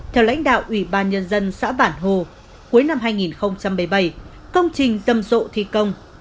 theo lãnh đạo ủy ban nhân dân xã bản hồ cuối năm hai nghìn một mươi bảy công trình rầm rộ thi công